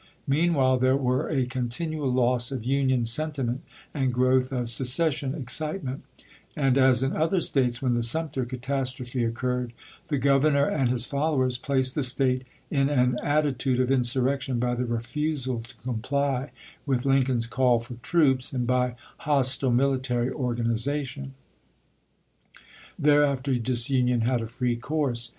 Meanwhile there were a continual loss of Union sentiment and growth of secession excitement; and, as in other States, when the Sumter catastrophe oc curred, the Governor and his followers placed the State in an attitude of insuiTCction by the refusal to comply with Lincoln's call for troops, and by hostile military organization. Thereafter disunion had a free course.